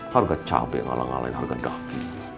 harga capek ngalah ngalahin harga daki